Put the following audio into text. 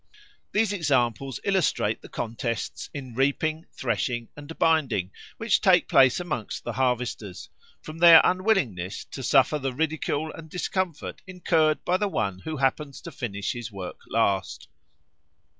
These examples illustrate the contests in reaping, threshing, and binding which take place amongst the harvesters, from their unwillingness to suffer the ridicule and discomfort incurred by the one who happens to finish his work last.